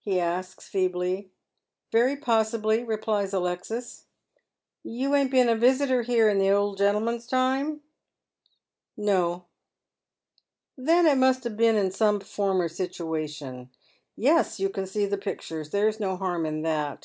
he asks, feebly. " Very possibly," replies Alexis. " You ain't been a visitor here in the old gentleman's time ?"" No." " Then it must have been in some former situation. Yes, you can see the pictures. There's no harm in that.